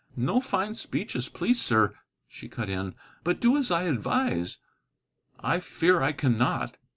"No fine speeches, please, sir," she cut in, "but do as I advise." "I fear I cannot."